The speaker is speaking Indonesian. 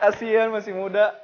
kasihan masih muda